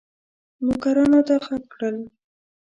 نوکرانو ته ږغ کړل.